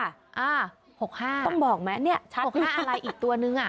๖๕ต้องบอกไหมเนี่ย๖๕อะไรอีกตัวนึงอ่ะ